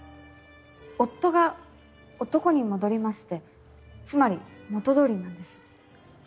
夫が男に戻りましてつまり元通りなんです。